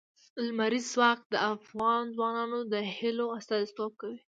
لمریز ځواک د افغان ځوانانو د هیلو استازیتوب کوي.